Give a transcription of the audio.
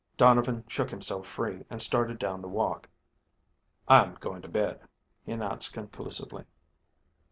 Donovan shook himself free, and started down the walk. "I'm going to bed," he announced conclusively.